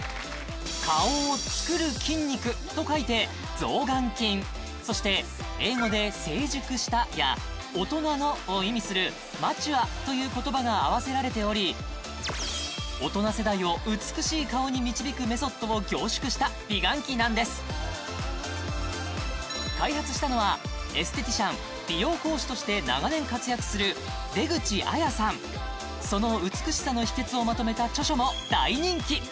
顔を造る筋肉と書いてそして英語で「成熟した」や「大人の」を意味するマチュアという言葉があわせられており大人世代を美しい顔に導くメソッドを凝縮した美顔器なんです開発したのはエステティシャン美容講師として長年活躍する出口アヤさんその美しさの秘訣をまとめた著書も大人気！